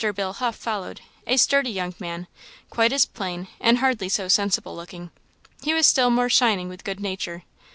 Bill Huff followed, a sturdy young man; quite as plain, and hardly so sensible looking; he was still more shining with good nature.